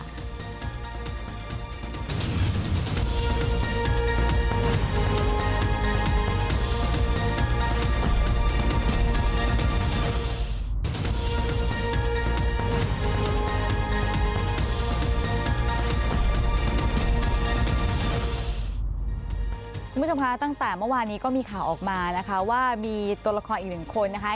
คุณผู้ชมคะตั้งแต่เมื่อวานนี้ก็มีข่าวออกมานะคะว่ามีตัวละครอีกหนึ่งคนนะคะ